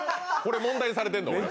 これ問題にされてんの？